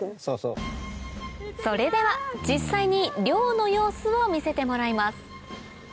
それでは実際に漁の様子を見せてもらいます